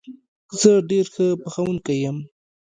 زه ډېر ښه پخوونکی یم